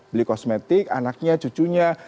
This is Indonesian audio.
beli kosmetik anaknya cucunya